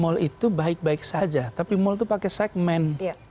mall itu baik baik saja tapi mall itu pakai segmen